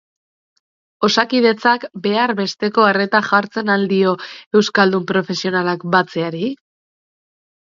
Osakidetzak behar besteko arreta jartzen al dio euskaldun profesionalak batzeari?